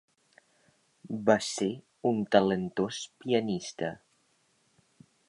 Va ser un talentós pianista.